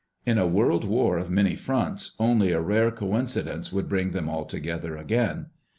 In a world war of many fronts only a rare coincidence would bring them all together again.